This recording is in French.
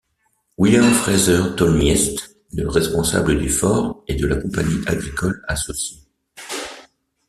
William Fraser Tolmieest le responsable du fort et de la compagnie agricole associée.